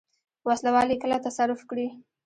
وسله وال یې کله تصرف کړي.